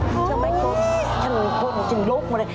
เชื่อมั้ยคุณฉันคุณฉันลุกมาเลย